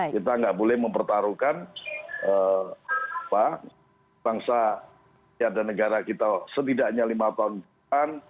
kita nggak boleh mempertaruhkan bangsa dan negara kita setidaknya lima tahun depan